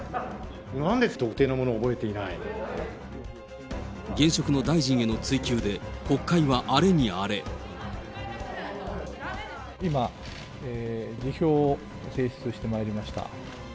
なんで特定のものを覚えていない現職の大臣への追及で、国会今、辞表を提出してまいりました。